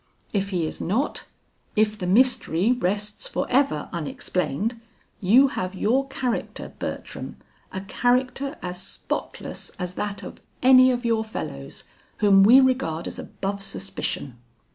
If he is not, if the mystery rests forever unexplained, you have your character, Bertram, a character as spotless as that of any of your fellows, whom we regard as above suspicion.